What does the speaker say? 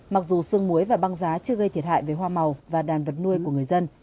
mặc dù sương muối và băng giá chưa gây thiệt hại về hoa màu và đàn vật nuôi của người dân